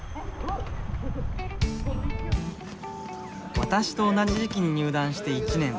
私と同じ時期に入団して１年。